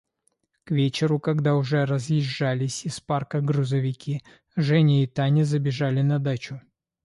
К вечеру, когда уже разъезжались из парка грузовики, Женя и Таня забежали на дачу.